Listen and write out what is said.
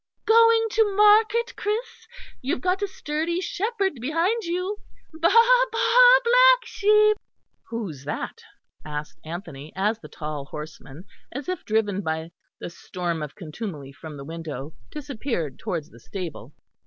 "Going to market, Chris? You've got a sturdy shepherd behind you. Baa, baa, black sheep." "Who's that?" asked Anthony, as the tall horseman, as if driven by the storm of contumely from the window, disappeared towards the stable.